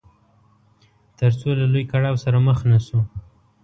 تر څو له لوی کړاو سره مخ نه شو.